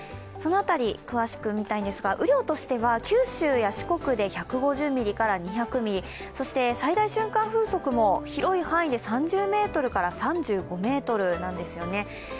その辺り、詳しく見たいんですが雨量としては九州や四国で１５０ミリから２００ミリ、最大瞬間風速も広い範囲で３０３５メートルなんですね。